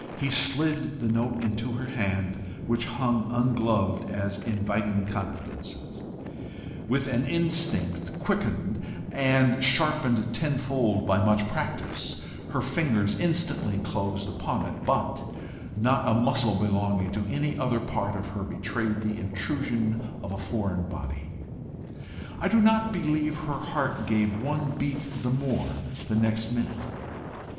He slid the note into her hand, which hung ungloved as inviting confidences. With an instinct quickened and sharpened tenfold by much practice, her fingers instantly closed upon it, but, not a muscle belonging to any other part of her betrayed the intrusion of a foreign body: I do not believe her heart gave one beat the more to the next minute.